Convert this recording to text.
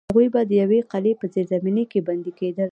هغوی به د یوې قلعې په زیرزمینۍ کې بندي کېدل.